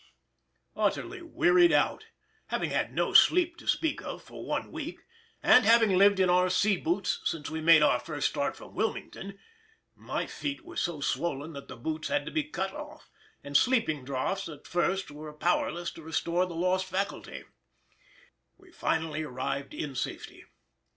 Utterly wearied out, having had no sleep to speak of for one week, and having lived in our sea boots since we made our first start from Wilmington (my feet were so swollen that the boots had to be cut off, and sleeping draughts at first were powerless to restore the lost faculty), we finally arrived in safety.